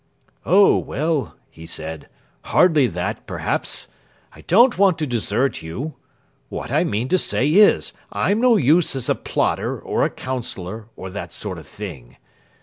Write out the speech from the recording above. "'Oh, well,' he said, 'hardly that, perhaps. I don't want to desert you. What I mean to say is, I'm no use as a plotter or a counsellor and that sort of thing.